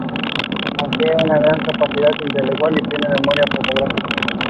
She previously served as government spokesperson.